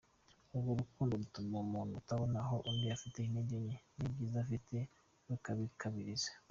Urwo rukundo rutuma umuntu atabona aho undi afite intege nke n’ibyiza afite rukabikabiriza.